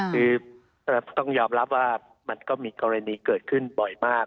คือต้องยอมรับว่ามันก็มีกรณีเกิดขึ้นบ่อยมาก